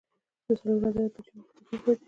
د څلور عدده پیچونو درلودونکی دی.